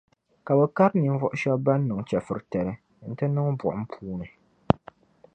Ka bɛ kari ninvuɣu shɛba ban niŋ chεfuritali n-ti niŋ buɣum puuni.